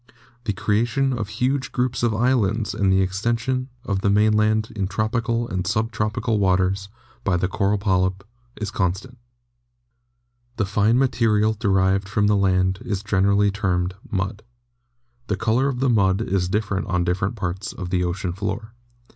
The creation of huge groups of islands and the extension of the mainland in tropical and sub tropical waters by the coral polyp is constant The fine material derived from the land is generally termed "mud." The color of the mud is different on different parts of the ocean floor.